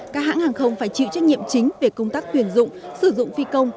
các hãng hàng không phải chịu trách nhiệm chính về công tác tuyển dụng sử dụng phi công